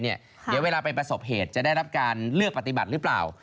เดี๋ยวเวลาไปประสบเหตุจะได้รับการเลือกปฏิบัติหรือเปล่า